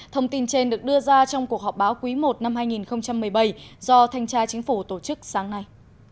thông tin trên được đưa ra trong cuộc họp báo quý i năm hai nghìn một mươi bảy do thanh tra chính phủ tổ chức sáng nay